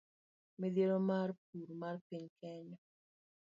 Midhiero mar pur ma piny Kenya